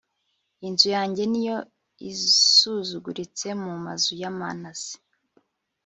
inzu yanjye ni yo isuzuguritse mu mazu ya manase